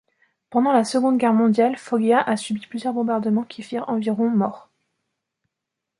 Pendant la Seconde Guerre mondiale Foggia a subi plusieurs bombardements qui firent environ morts.